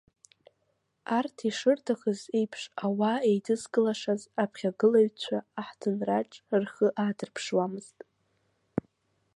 Арҭ ишырҭахыз еиԥш ауаа еидызкылашаз аԥхьагылаҩцәа аҳҭынраҿ рхы аадырԥшуамызт.